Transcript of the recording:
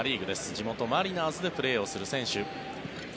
地元マリナーズでプレーをする選手。